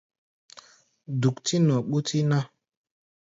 Duk-tí nɔ́ ɓuti ná.